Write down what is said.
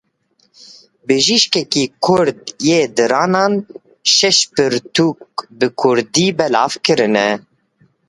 Bijîşkekî kurd ê diranan şeş pirtûk bi kurdî belav kirine.